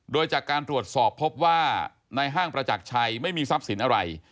โดยจากการตรวจสอบพบว่าในห้างประจักรชัยไม่มีทรัพย์สินอะไร